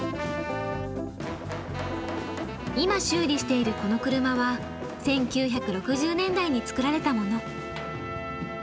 今修理しているこの車は１９６０年代につくられたもの。